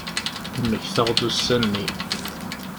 Mmektaɣ-d ussan-nni.